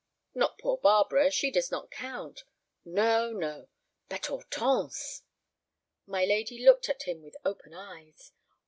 "Not poor Barbara—she does not count." "No, no; but Hortense." My lady looked at him with open eyes.